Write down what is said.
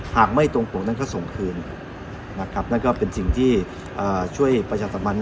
หากไม่ตรงปกนั้นก็ส่งคืนนะครับนั่นก็เป็นสิ่งที่ช่วยประชาสัมพันธ์